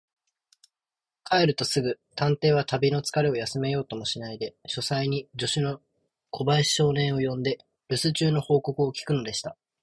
帰るとすぐ、探偵は旅のつかれを休めようともしないで、書斎に助手の小林少年を呼んで、るす中の報告を聞くのでした。